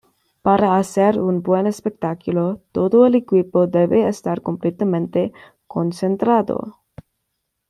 Para hacer un buen espectáculo, todo el equipo debe estar completamente concentrado.